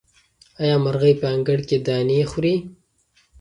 آیا مرغۍ په انګړ کې دانې خوري؟